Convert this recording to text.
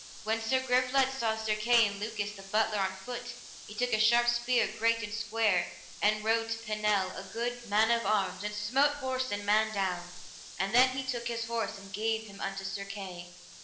When Sir Griflet saw Sir Kay and Lucas the butler on foot, he took a sharp spear, great and square, and rode to Pinel, a good man of arms, and smote horse and man down, and then he took his horse, and gave him unto Sir Kay.